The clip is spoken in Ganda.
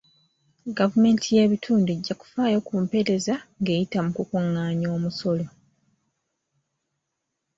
Gavumenti y'ebitundu ejja kufaayo ku mpeereza ng'eyita mu kukungaanya omusolo.